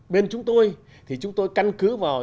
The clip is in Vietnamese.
bên chúng tôi thì chúng tôi căn cứ vào